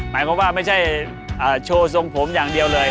หมายความว่าไม่ใช่โชว์ทรงผมอย่างเดียวเลย